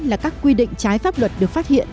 là các quy định trái pháp luật được phát hiện